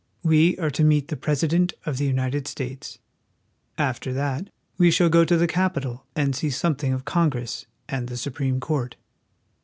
We are to meet the President of the United States. After that we shall go to the Capitol and see something of Congress and the Supreme Court.